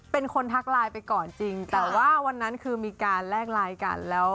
ทักไลน์ไปก่อนจริงแต่ว่าวันนั้นคือมีการแลกไลน์กันแล้ว